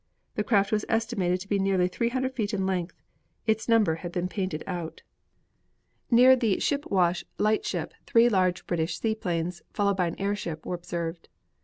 The craft was estimated to be nearly 300 feet in length. Its number had been painted out. Near the Ship Wash lightship three large British seaplanes, followed by an airship, were observed.